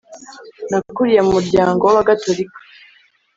nakuriye mu muryango w ‘abagatolika,